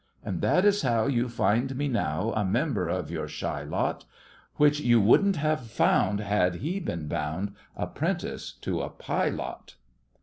And that is how you find me now, a member of your shy lot, Which you wouldn't have found, had he been bound apprentice to a pilot.